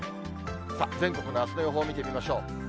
さあ、全国のあすの予報を見てみましょう。